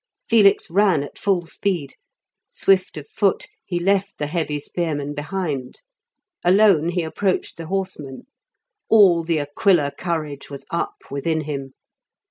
Felix ran at full speed; swift of foot, he left the heavy spearmen behind. Alone he approached the horsemen; all the Aquila courage was up within him.